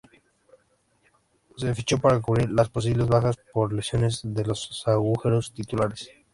Se fichó para cubrir las posibles bajas por lesión de los zagueros titulares.